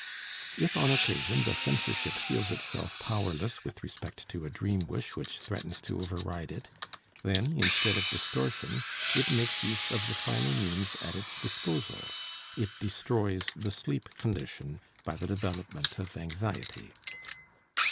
If on occasion the censorship feels itself powerless with respect to a dream wish which threatens to over ride it, then, instead of distortion, it makes use of the final means at its disposal, it destroys the sleep condition by the development of anxiety.